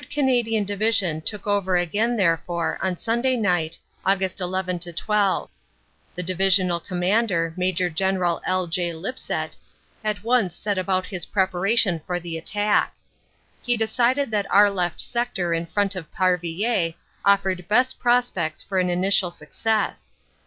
Canadian Division took over again therefore on Sunday night, Aug. 11 12. The Divisional Commander, Major General L. J. Lipsett, at once set about his preparation for the attack. He decided that our left sector in front of Parvillers, offered best prospects for an initial success.